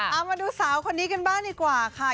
เอามาดูสาวคนนี้กันบ้างดีกว่าค่ะ